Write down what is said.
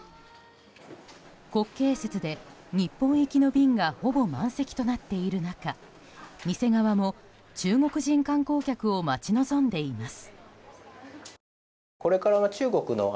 国慶節で日本行きの便がほぼ満席となっている中店側も中国人観光客を待ち望んでいます。